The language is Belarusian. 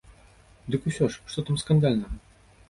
Дык усё ж, што там скандальнага?